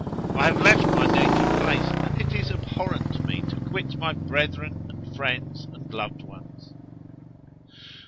I have left my native place and it is abhorrent to me to quit my brethren and friends and loved ones."